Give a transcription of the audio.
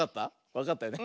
わかったよね。